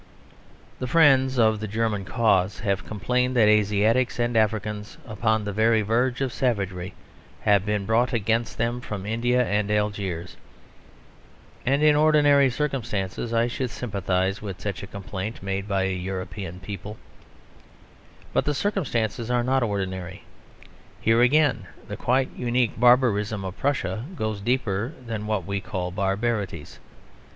The friends of the German cause have complained that Asiatics and Africans upon the very verge of savagery have been brought against them from India and Algiers. And, in ordinary circumstances, I should sympathise with such a complaint made by a European people. But the circumstances are not ordinary. Here, again, the quite unique barbarism of Prussia goes deeper than what we call barbarities.